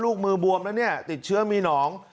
ลูกมือบวมแล้วติดเชื้อมีหนอง